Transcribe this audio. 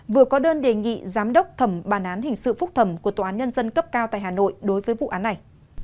vừa có đơn đề nghị giám đốc thẩm bản án hình sự phúc thẩm của tòa án nhân dân cấp cao tại hà nội đối với vụ án này